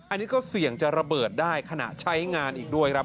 อันนี้ก็เสี่ยงจะระเบิดได้ขณะใช้งานอีกด้วยครับ